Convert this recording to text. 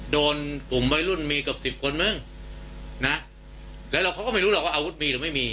โดนกลุ่มวัยรุ่นมีเกือบสิบคนมั้งนะแล้วเขาก็ไม่รู้หรอกว่าอาวุธมีหรือไม่มี